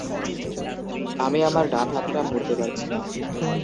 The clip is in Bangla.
আমি আমার ডান হাতটা মুড়তে পারছি না।